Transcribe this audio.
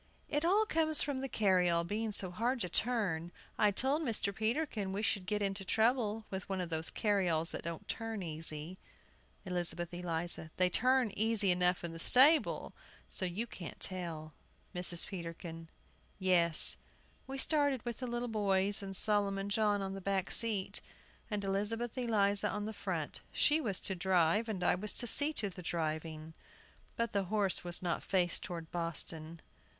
It all comes from the carryall being so hard to turn. I told Mr. Peterkin we should get into trouble with one of those carryalls that don't turn easy. ELIZABETH ELIZA. They turn easy enough in the stable, so you can't tell. MRS. PETERKIN. Yes; we started with the little boys and Solomon John on the back seat, and Elizabeth Eliza on the front. She was to drive, and I was to see to the driving. But the horse was not faced toward Boston.